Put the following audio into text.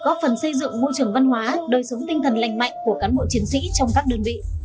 góp phần xây dựng môi trường văn hóa đời sống tinh thần lành mạnh của cán bộ chiến sĩ trong các đơn vị